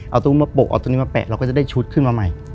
เอาตรงนี้มาปกเอาตรงนี้มาแปะเราก็จะได้ชุดขึ้นมาใหม่